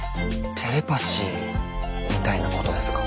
テレパシーみたいなことですか？